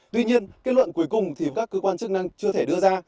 tuy nhiên kết luận cuối cùng thì các cơ quan chức năng chưa thể đưa ra